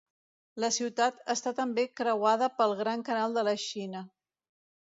La ciutat està també creuada pel Gran Canal de la Xina.